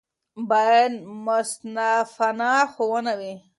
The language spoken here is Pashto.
باید منصفانه ښوونه وي.